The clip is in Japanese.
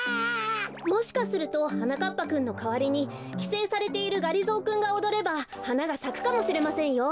もしかするとはなかっぱくんのかわりにきせいされているがりぞーくんがおどればはながさくかもしれませんよ。